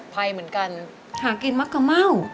ทั้งในเรื่องของการทำงานเคยทำนานแล้วเกิดปัญหาน้อย